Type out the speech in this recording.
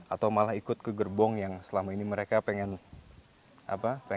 atau malah ikut ke gerbong yang selama ini mereka pengen apa pengen